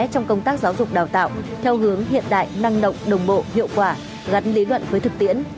trong công tác giáo dục đào tạo theo hướng hiện đại năng động đồng bộ hiệu quả gắn lý luận với thực tiễn